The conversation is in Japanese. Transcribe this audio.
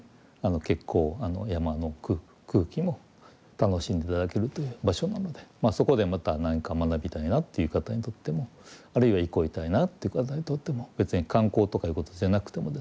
結構山の空気も楽しんで頂けるという場所なのでそこでまた何か学びたいなっていう方にとってもあるいは憩いたいなっていう方にとっても別に観光とかいうことじゃなくてもですね